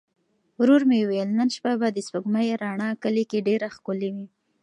ورور مې وویل نن شپه به د سپوږمۍ رڼا کلي کې ډېره ښکلې وي.